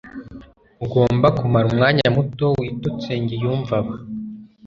ugomba kumara umwanya muto witonsengiyumvaba